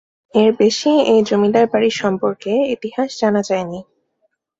এর বেশি এই জমিদার বাড়ি সম্পর্কে ইতিহাস জানা যায়নি।